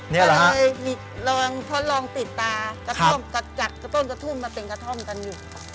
ก็เลยทดลองติดตากระท่อมก็จัดต้นกระทุ่มมาเป็นกระท่อมกันอยู่